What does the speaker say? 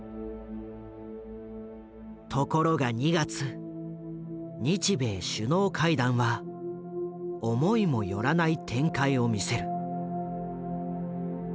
ところが２月日米首脳会談は思いも寄らない展開を見せる。